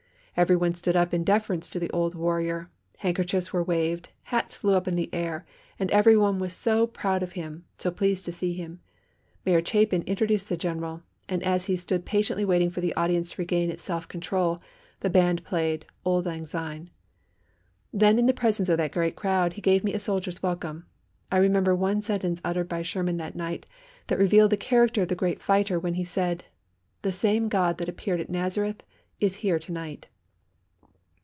Everyone stood up in deference to the old warrior, handkerchiefs were waved, hats flew up in the air, everyone was so proud of him, so pleased to see him! Mayor Chapin introduced the General, and as he stood patiently waiting for the audience to regain its self control, the band played "Auld Lang Syne." Then in the presence of that great crowd he gave me a soldier's welcome. I remember one sentence uttered by Sherman that night that revealed the character of the great fighter when he said, "The same God that appeared at Nazareth is here to night."